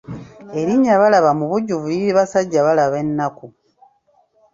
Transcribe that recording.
Erinnya Balaba mu bujjuvu liri Basajjabalaba ennaku.